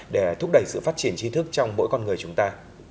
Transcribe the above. để thúc đẩy sự phát triển trí thức trong mỗi con người chúng ta